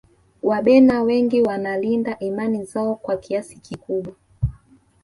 wabena wengi wanalinda imani zao kwa kiasi kikubwa